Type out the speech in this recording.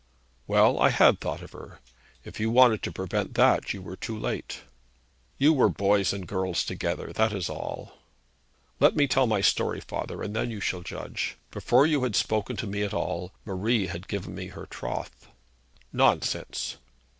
'Well; I had thought of her. If you wanted to prevent that, you were too late.' 'You were boys and girls together; that is all.' 'Let me tell my story, father, and then you shall judge. Before you had spoken to me at all, Marie had given me her troth.' 'Nonsense!'